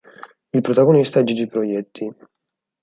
Il protagonista è Gigi Proietti.